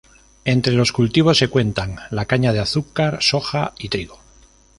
Entre los cultivos se cuentan la caña de azúcar, soja y trigo.